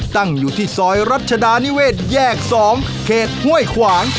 ตั้งอยู่ที่ซอยรัชดานิเวศแยก๒เขตห้วยขวาง